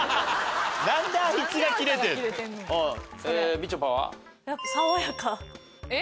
みちょぱは？えっ？